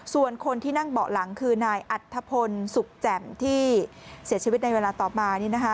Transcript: ส่วนคนที่นั่งเบาะหลังคือนายอัธพลสุขแจ่มที่เสียชีวิตในเวลาต่อมา